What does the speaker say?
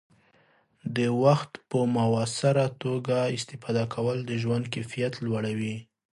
د وخت په مؤثره توګه استفاده کول د ژوند کیفیت لوړوي.